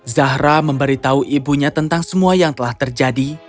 zahra memberitahu ibunya tentang semua yang telah terjadi